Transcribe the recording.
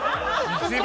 一番！